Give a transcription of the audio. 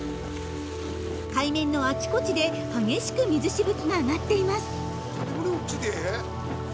海面のあちこちで激しく水しぶきが上がっています